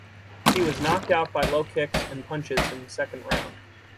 He was knocked out by low kicks and punches in the second round.